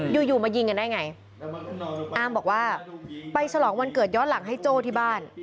อยู่อยู่มายิงกันได้ไงอามบอกว่าไปฉลองวันเกิดย้อนหลังให้โจ้ที่บ้าน